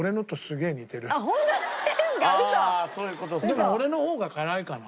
でも俺の方が辛いかな。